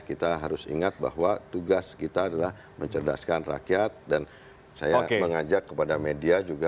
kita harus ingat bahwa tugas kita adalah mencerdaskan rakyat dan saya mengajak kepada media juga